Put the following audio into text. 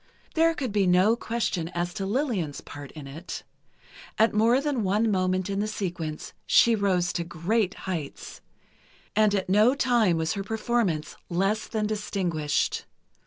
There could be no question as to Lillian's part in it. At more than one moment in the sequence she rose to great heights, and at no time was her performance less than distinguished.